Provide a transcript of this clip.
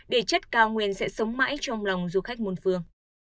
địa chất cao nguyên sẽ sống mãi trong lòng du khách môn phương